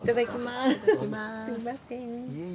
すみません。